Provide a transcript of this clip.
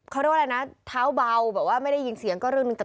เขาเรียกว่าอะไรนะเท้าเบาแบบว่าไม่ได้ยินเสียงก็เรื่องหนึ่งแต่